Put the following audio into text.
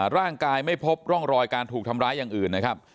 ร่างกายไม่พบร่องรอยการถูกทำร้ายอย่างอื่นนะครับ